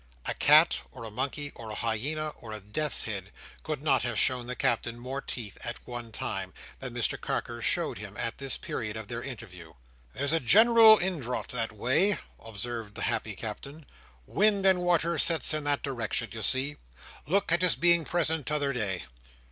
A cat, or a monkey, or a hyena, or a death's head, could not have shown the Captain more teeth at one time, than Mr Carker showed him at this period of their interview. "There's a general indraught that way," observed the happy Captain. "Wind and water sets in that direction, you see. Look at his being present t'other day!"